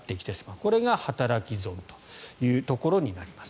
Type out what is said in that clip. これが働き損というところになります。